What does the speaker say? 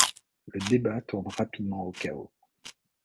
Le débat tourne rapidement au chaos.